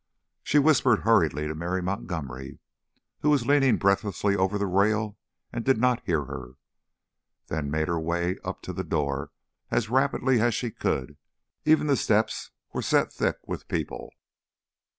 She whispered hurriedly to Mary Montgomery, who was leaning breathlessly over the rail and did not hear her, then made her way up to the door as rapidly as she could; even the steps were set thick with people.